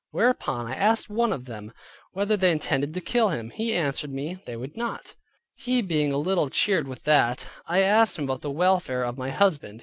Whereupon I asked one of them, whether they intended to kill him; he answered me, they would not. He being a little cheered with that, I asked him about the welfare of my husband.